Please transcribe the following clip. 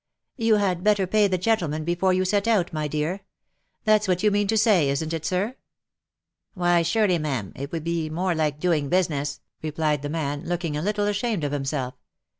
" You had better pay the gentleman before you set out, my dear. That's what you mean to say, isn't it, sir ?"" Why surely, ma'am, it would be more like doing business," replied the man, looking a little ashamed of himself.